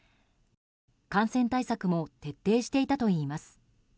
感染対策も徹底していたといいます。